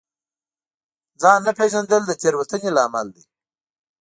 ځان نه پېژندل د تېروتنې لامل دی.